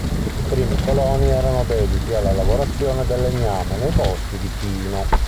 I primi coloni erano dediti alla lavorazione del legname nei boschi di pino.